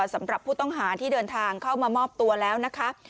สำหรับผู้ต้องหาที่เดินทางเข้ามามอบตัวแล้วนะคะ